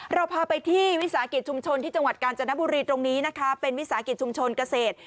เราพาไปที่วิสาหกิจชุมชนที่จังหวัดกาญจนบุรีตรงนี้นะคะเป็นวิสาหกิจชุมชนเกษตร